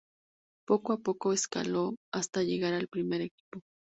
Poco a poco escaló hasta llegar al primer equipo.